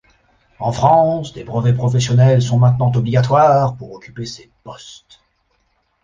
En France, des brevets professionnels sont maintenant obligatoires pour occuper ces postes.